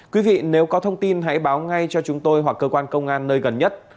quý vị nếu có thông tin hãy báo ngay cho chúng tôi hoặc cơ quan công an nơi gần nhất